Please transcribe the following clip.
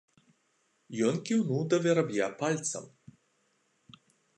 Ён кіўнуў да вераб'я пальцам.